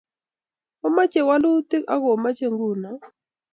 Omoche walutik ak omoche nguno